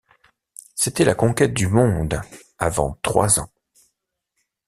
C’était la conquête du monde avant trois ans.